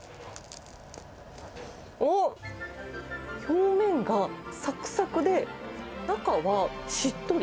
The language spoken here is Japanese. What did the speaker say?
おっ、表面がさくさくで、中はしっとり。